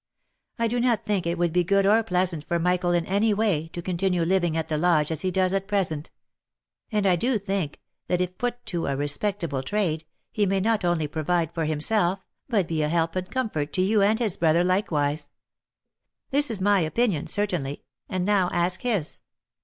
I do not think it would be good or pleasant for Michael in any way, to continue living at the Lodge as he does at present; and I do think, that if put to a respectable trade, he may not only provide for himself, but be a help and comfort to you and his brother likewise. This is my opinion, cer tainly, and now ask his.